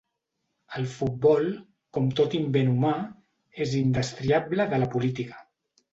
El futbol, com tot invent humà, és indestriable de la política.